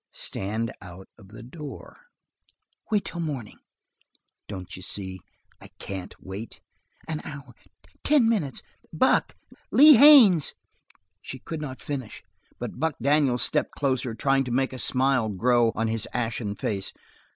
"Stand out of the door." "Wait till the morning." "Don't you see I can't wait?" "One hour, ten minutes. Buck Lee Haines " She could not finish, but Buck Daniels stepped closer, trying to make a smile grow on his ashen face.